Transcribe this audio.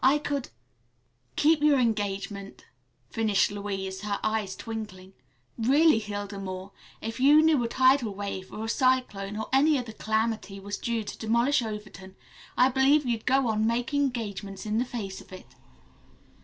I could " "Keep your engagement," finished Louise, her eyes twinkling. "Really, Hilda Moore, if you knew a tidal wave, or a cyclone or any other calamity was due to demolish Overton I believe you'd go on making engagements in the face of it."